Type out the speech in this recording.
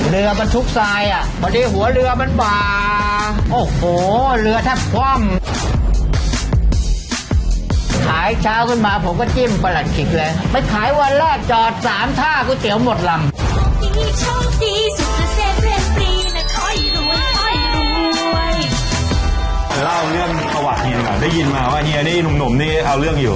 เดี๋ยวเราเล่าเรื่องสวัสดีกันก่อนได้ยินมาว่าเฮียนี่นุ่มนี่เอาเรื่องอยู่